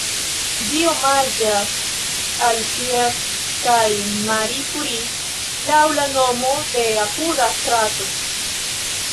Ĝi omaĝas al Pierre kaj Marie Curie laŭ la nomo de apuda strato.